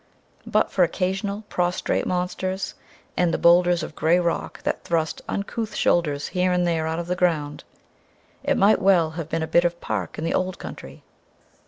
But for occasional prostrate monsters, and the boulders of grey rock that thrust uncouth shoulders here and there out of the ground, it might well have been a bit of park in the Old Country.